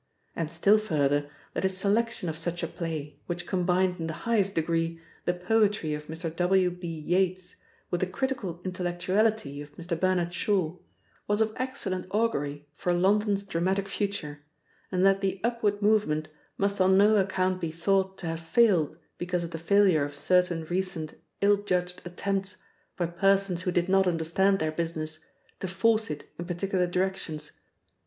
And still further, that his selection of such a play, which combined in the highest degree the poetry of Mr. W. B. Yeats with the critical intellectuality of Mr. Bernard Shaw, was of excellent augury for London's dramatic future, and that the "upward movement" must on no account be thought to have failed because of the failure of certain recent ill judged attempts, by persons who did not understand their business, to force it in particular directions.